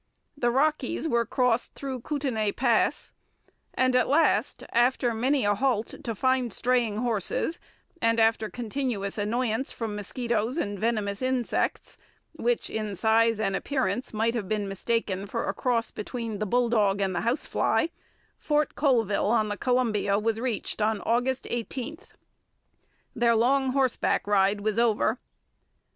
The Rockies were crossed through Kootenay Pass, and at last after many a halt to find straying horses, and after continuous annoyance from mosquitoes and venomous insects 'which in size and appearance might have been mistaken for a cross between the bulldog and the house fly' Fort Colville on the Columbia was reached on August 18. Their long horseback ride was over.